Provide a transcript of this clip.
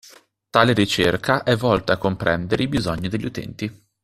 Tale ricerca è volta a comprendere i bisogni degli utenti.